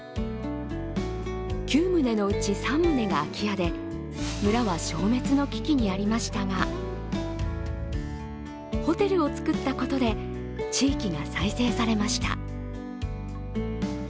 ９棟のうち３棟が空き家で村は消滅の危機にありましたがホテルを造ったことで地域が再生されました。